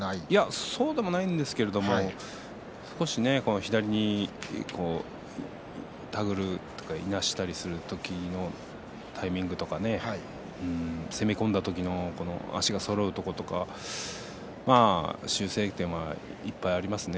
そうではないんですけれど少し左に手繰るとか、いなしたりする時もタイミングとかね攻め込んだ時の足がそろうところとか修正点は、いっぱいありますね。